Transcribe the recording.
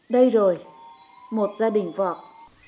đây rồi một gia đình vọt